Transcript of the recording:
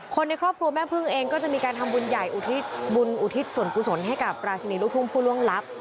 ในครอบครัวแม่พึ่งเองก็จะมีการทำบุญใหญ่อุทิศบุญอุทิศส่วนกุศลให้กับราชินีลูกทุ่งผู้ล่วงลับ